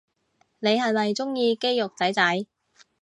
你係咪鍾意肌肉仔仔